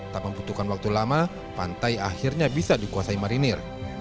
tak membutuhkan waktu lama pantai akhirnya bisa dikuasai marinir